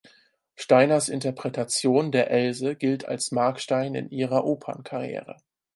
Steiners Interpretation der Else gilt als Markstein in ihrer Opernkarriere.